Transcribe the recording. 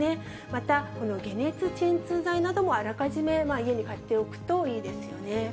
また解熱鎮痛剤などもあらかじめ家に買っておくといいですよね。